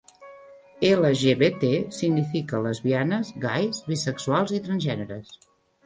LGBT significa lesbianes, gais, bisexuals i transgèneres.